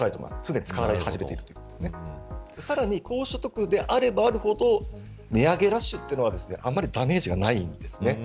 すでに使われ始めているということでさらに高所得であればあるほど値上げラッシュというのはあまりダメージがないんです。